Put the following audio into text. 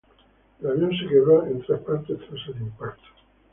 El avión se quebró en tres partes tras el impacto.